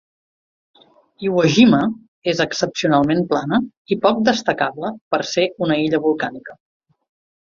Iwo Jima és excepcionalment plana i poc destacable per ser una illa volcànica.